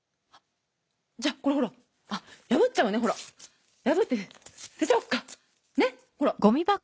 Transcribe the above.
じゃこれほら破っちゃうねほら。破って捨てちゃおっかねっほら。